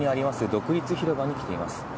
独立広場に来ています。